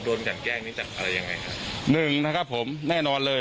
โดนกันแกล้งนี้จากอะไรยังไงครับหนึ่งนะครับผมแน่นอนเลย